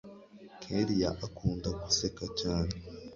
Kellia akunda guseka cyane